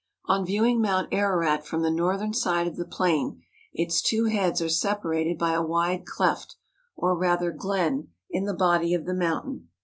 On viewing Mount Ararat from the northern side of the plain its two heads are separated by a wide cleft, or rather glen, in the body of the mountain.